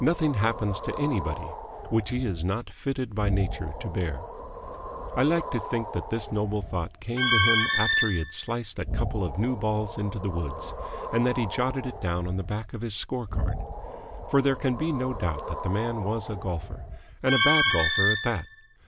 Nothing happens to anybody which he is not fitted by nature to bear." I like to think that this noble thought came to him after he had sliced a couple of new balls into the woods, and that he jotted it down on the back of his score card. For there can be no doubt that the man was a golfer, and a bad golfer at that.